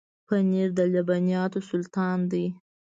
پنېر د لبنیاتو سلطان دی.